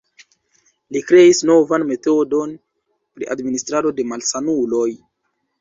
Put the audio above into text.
Li kreis novan metodon pri administrado de malsanuloj.